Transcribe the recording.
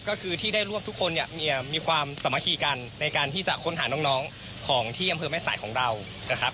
ก็คือที่ได้รวบทุกคนเนี่ยมีความสามัคคีกันในการที่จะค้นหาน้องของที่อำเภอแม่สายของเรานะครับ